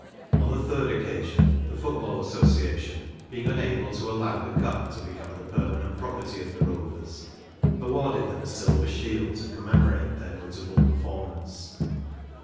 On the third occasion the Football Association, being unable to allow the Cup to become the per¬ manent property of the Rovers, awarded them a silver shield to commemorate their notable performance.